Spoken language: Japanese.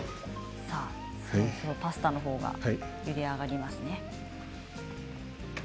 そろそろパスタのほうがゆで上がりますね。